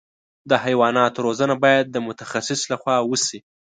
د حیواناتو روزنه باید د متخصص له خوا وشي.